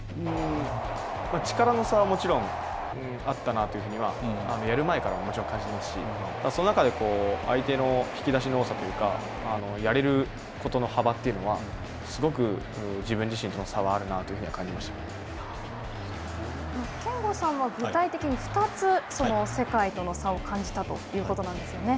力の差はもちろんあったなというふうには、やる前からもちろん感じていますし、その中で、相手の引き出しの多さというか、やれることの幅というのはすごく自分自身との差はあるなと憲剛さんは具体的に２つ世界との差を感じたということなんですよね。